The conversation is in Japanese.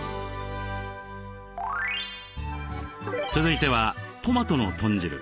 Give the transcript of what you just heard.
続いてはトマトの豚汁。